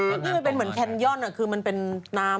ไม่เหมือนแคนยอลน่ะมันเป็นน้ำ